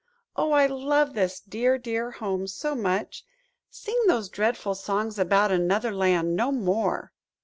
Oh, I love this dear, dear home so much!–Sing those dreadful songs about another land no more!"